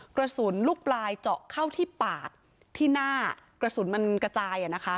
กระสุนลูกปลายเจาะเข้าที่ปากที่หน้ากระสุนมันกระจาย